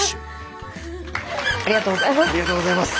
ありがとうございます。